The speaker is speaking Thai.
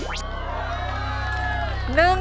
ฮาวะละพร้อม